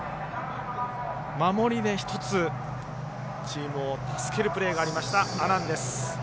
守りで１つチームを助けるプレーがありました阿南です。